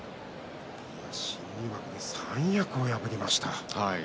新入幕で三役を破りました。